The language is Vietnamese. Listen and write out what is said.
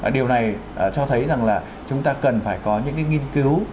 điều này cho thấy rằng là chúng ta cần phải có những cái nghiên cứu